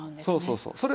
そうそうそう。